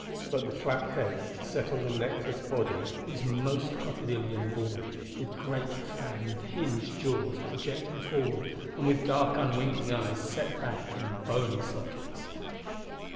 But the flat head set on the neckless body was most crocodilian of all, with great fanged, hinged jaws projecting forward, and with dark unwinking eyes set back in bony sockets.